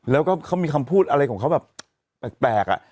แล้วก็เขามีคำพูดอะไรของเขาแบบแปลก